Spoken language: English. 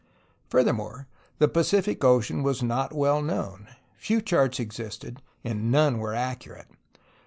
Furthermore, the Pacific Ocean was not well known. Few charts existed, and none were accurate.